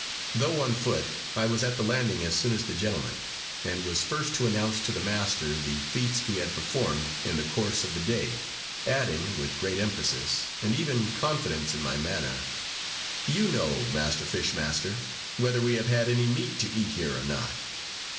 Though on foot, I was at the landing as soon as the gentlemen, and was first to announce to the master the feats we had performed in the course of the day, adding, with great emphasis, and even confidence in my manner, "You know, master fish master, whether we have had any meat to eat here or not.